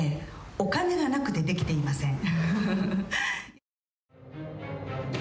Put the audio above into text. お金がなくてできていません・